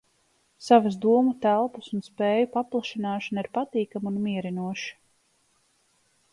Savas domu telpas un spēju paplašināšana ir patīkama un mierinoša.